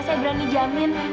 saya berani jamin